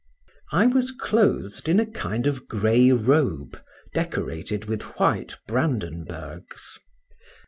I was clothed in a kind of gray robe, decorated with white Brandenburgs.